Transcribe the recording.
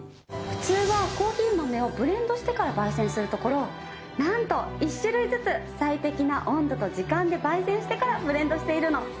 ふつうはコーヒー豆をブレンドしてから焙煎するところをなんと１種類ずつ最適な温度と時間で焙煎してからブレンドしているの。